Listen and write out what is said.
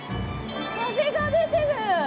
風が出てる！